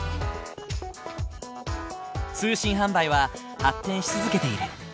通信販売は発展し続けている。